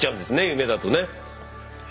夢だとね。